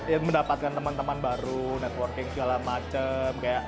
ya mendapatkan teman teman baru networking segala macem